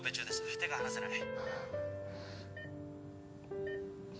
手が離せない